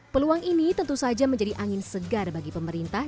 peluang ini tentu saja menjadi angin segar bagi pemerintah